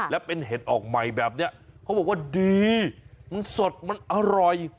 และเป็นเห็ดออกใหม่แบบนี้เขาบอกว่าดีมันสดมันอร่อย